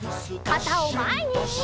かたをまえに！